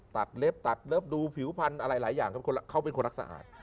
เล็บตัดเลิฟดูผิวพันธุ์อะไรหลายอย่างครับเขาเป็นคนรักสะอาด